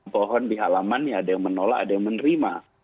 pohon di halamannya ada yang menolak ada yang menerima